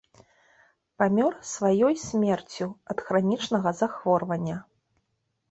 Памёр сваёй смерцю ад хранічнага захворвання.